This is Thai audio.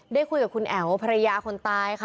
ได้คุยกับคุณแอ๋วภรรยาคนตายค่ะ